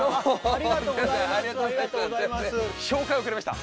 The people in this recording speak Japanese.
ありがとうございます。